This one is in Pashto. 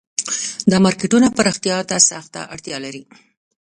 دا مارکیټونه پراختیا ته سخته اړتیا لري